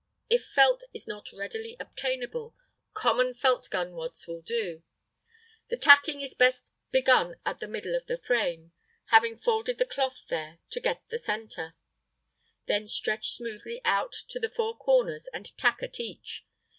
If felt is not readily obtainable, common felt gun wads will do. The tacking is best begun at the middle of the frame, having folded the cloth there to get the centre. Then stretch smoothly out to the four corners and tack at each.